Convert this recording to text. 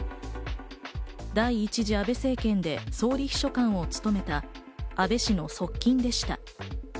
第一次安倍政権で総理秘書官を務めた安倍氏の側近でした。